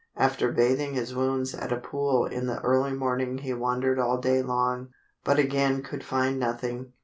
After bathing his wounds at a pool in the early morning he wandered all day long, but again could find nothing.